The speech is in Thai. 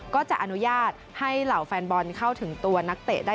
ก็จะอนุญาตให้เหล่าแฟนบอลเข้าถึงตัวนักเตะได้